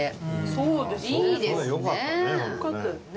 そうですね。